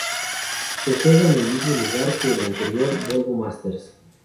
Se juega en el mismo lugar que el anterior Volvo Masters.